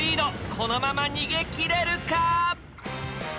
このまま逃げ切れるか？